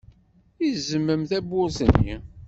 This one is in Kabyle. Izemmem tawwurt-nni.